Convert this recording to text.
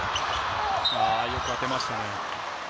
よく当てました。